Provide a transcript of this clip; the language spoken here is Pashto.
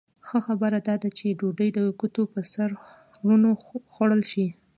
ښه خبره دا ده چې ډوډۍ د ګوتو په سرونو وخوړل شي.